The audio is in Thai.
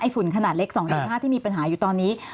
ฝุ่นขนาดเล็ก๒๕ที่มีปัญหาอยู่ตอนนี้